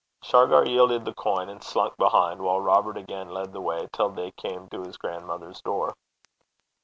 Shargar yielded the coin and slunk behind, while Robert again led the way till they came to his grandmother's door.